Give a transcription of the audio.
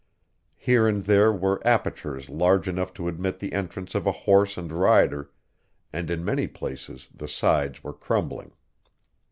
Here and there were apertures large enough to admit the entrance of a horse and rider, and in many places the sides were crumbling.